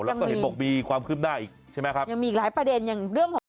แล้วก็เห็นบอกมีความคืบหน้าอีกใช่ไหมครับยังมีอีกหลายประเด็นอย่างเรื่องของ